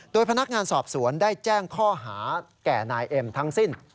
โดยพนักงานสอบสวนได้แจ้งข้อหาแก่นายเอ็มทั้งสิ้น